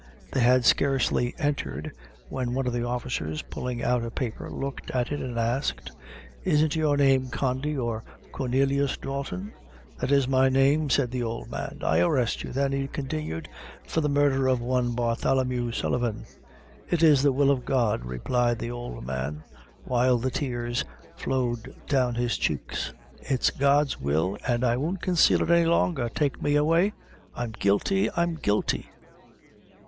They had scarcely entered, when one of the officers pulling out a paper, looked at it and asked, "Isn't your name Condy or Cornelius Dalton?" "That is my name," said the old man. "I arrest you, then," he continued, "for the murder of one Bartholomew Sullivan." "It is the will of God," replied the old man, while the tears flowed down his cheeks "it's God's will, an' I won't consale it any longer; take me away I'm guilty I'm guilty."